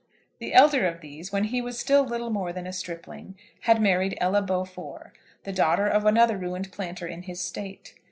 The elder of these, when he was still little more than a stripling, had married Ella Beaufort, the daughter of another ruined planter in his State.